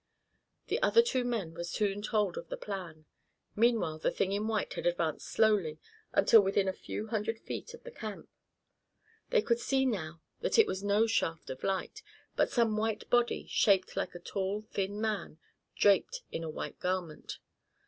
The two other men were soon told of the plan. Meanwhile the thing in white had advanced slowly, until within a few hundred feet of the camp. They could see now that it was no shaft of light, but some white body, shaped like a tall, thin man, draped in a white garment.